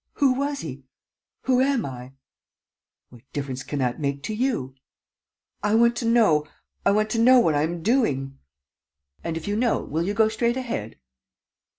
Who was he? Who am I?" "What difference can that make to you?" "I want to know. I want to know what I am doing!" "And, if you know, will you go straight ahead?"